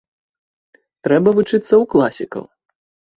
Трэба вучыцца ў класікаў.